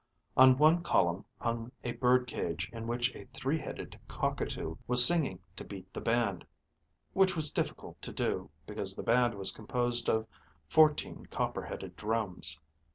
On one column hung a bird cage in which a three headed cockatoo was singing to beat the band. Which was difficult to do, because the band was composed of fourteen copper headed drums.